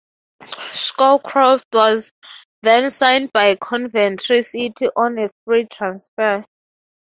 Scowcroft was then signed by Coventry City on a free transfer.